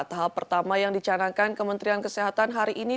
tahap pertama yang dicanangkan kementerian kesehatan hari ini